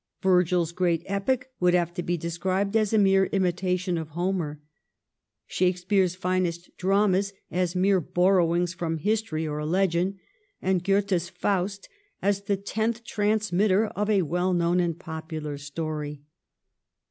Virgil's great epic would have to be described as a mere imitation of Homer, Shakespeare's finest dramas as mere borrowings from history or legend, and Goethe's ' Faust ' as the tenth transmitter of a well known and popular story.